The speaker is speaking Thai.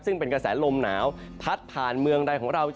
ซึ่งเป็นกระแสลมหนาวพัดผ่านเมืองใดของเรา